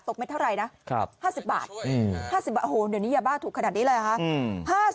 ตกไม่เท่าไรนะครับ๕๐บาทอย่าบ้าถูกขนาดนี้เลยข้า